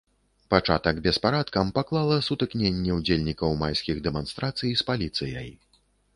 Пачатак беспарадкам паклала сутыкненне ўдзельнікаў майскіх дэманстрацый з паліцыяй.